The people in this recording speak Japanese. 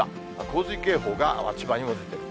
洪水警報が千葉にも出ている。